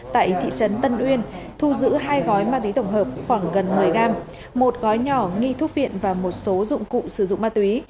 công an huyện tân uyên thu giữ hai gói ma túy tổng hợp khoảng gần một mươi g một gói nhỏ nghi thuốc viện và một số dụng cụ sử dụng ma túy